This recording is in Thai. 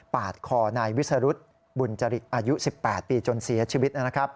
ปาดคอในวิสุฤุตรบุญจริกอายุ๑๘ปีจนเสียชีวิต